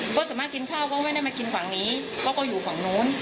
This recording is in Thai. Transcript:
เพราะส่วนมากกินข้าวก็ไม่ได้มากินฝั่งนี้เขาก็อยู่ฝั่งนู้น